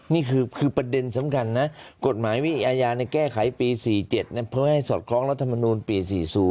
นี่คือประเด็นสำคัญนะกฎหมายวิอาญาแก้ไขปี๔๗เพื่อให้สอดคล้องรัฐมนูลปี๔๐